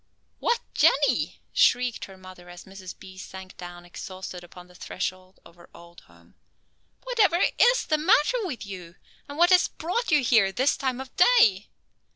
"Why, Jenny!" shrieked her mother as Mrs. B. sank down exhausted upon the threshold of her old home. "Whatever is the matter with you, and what has brought you here this time of day?"